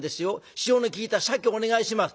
塩の利いたシャケをお願いします』。